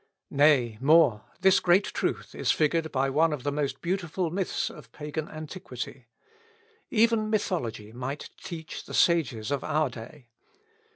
Nay more, this great truth is figured by one of the most beautiful myths of Pagan antiquity. Even Mythology might teach the sages of our day.